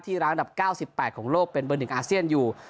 ร้างอันดับ๙๘ของโลกเป็นเบอร์๑อาเซียนอยู่